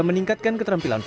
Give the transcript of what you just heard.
muter taruh perut